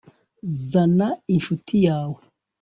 zana inshuti yawe